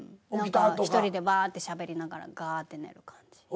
何か１人でバーッてしゃべりながらガーッて寝る感じ。